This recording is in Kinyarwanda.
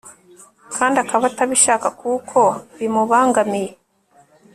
kandi akaba atabishaka kuko bimubangamiye